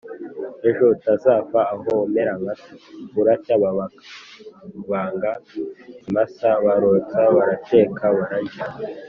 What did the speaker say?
ejo utazava aho umera nka so!" Buracya babaga ikimasa; barotsa barateka bararya.